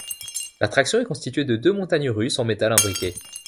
L'attraction est constituée de deux montagnes russes en métal imbriquées.